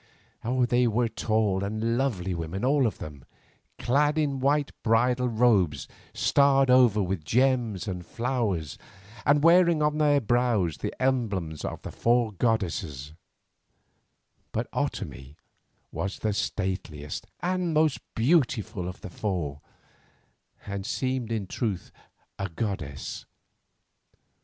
They were tall and lovely women all of them, clad in white bridal robes starred over with gems and flowers, and wearing on their brows the emblems of the four goddesses, but Otomie was the stateliest and most beautiful of the four, and seemed in truth a goddess.